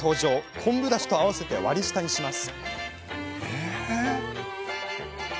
昆布だしと合わせて割り下にします。